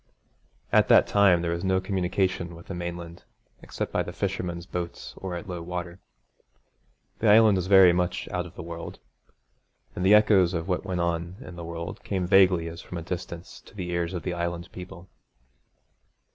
At that time there was no communication with the mainland except by the fishermen's boats or at low water. The Island was very much out of the world; and the echoes of what went on in the world came vaguely as from a distance to the ears of the Island people.